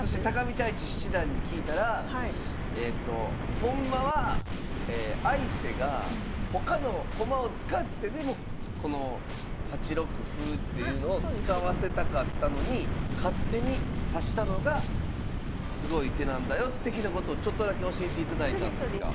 そして見泰地七段に聞いたらほんまは相手が他の駒を使ってでもこの８六歩っていうのを使わせたかったのに勝手に指したのがすごい手なんだよ的なことをちょっとだけ教えていただいたんですが。